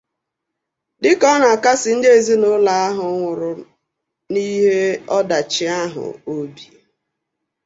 Dịka ọ na-akasi ndị ezinụlọ ndị ahụ nwụrụ n'ihe ọdachi ahụ obi